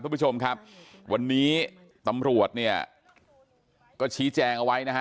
คุณผู้ชมครับวันนี้ตำรวจเนี่ยก็ชี้แจงเอาไว้นะฮะ